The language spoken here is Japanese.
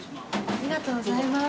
ありがとうございます。